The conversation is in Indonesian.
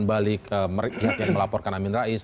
kembali ke mereka yang melaporkan amin rais